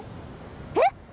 えっ！